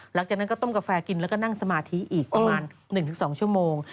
หลังจากนั้นก็ต้มกาแฟกินแล้วก็นั่งสมาธิอีกประมาณ๑๒ชั่วโมง